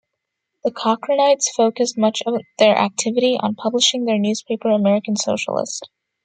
The Cochranites focused much of their activity on publishing their newspaper, "American Socialist".